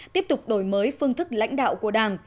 tiếp tục đổi mới phương thức lãnh đạo của đảng